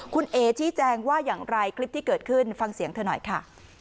คุณเอ๋ชี้แจงว่าอย่างไรคลิปที่เกิดขึ้นฟังเสียงเธอหน่อยค่ะ